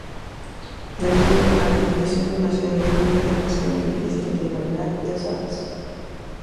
Demasiado largo, visión demasiado cruda, demasiado difícil de bailar... ya sabes".